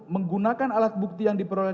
menggunakan alat bukti yang diperoleh